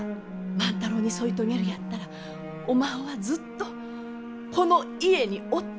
万太郎に添い遂げるやったらおまんはずっとこの家におってえい。